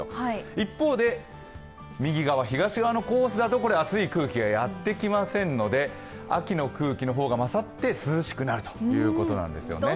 一方で、右側、東側のコースだと熱い空気がやってきませんので、秋の空気の方が勝って、涼しくなるということです。